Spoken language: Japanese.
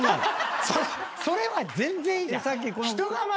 それは全然いいじゃん。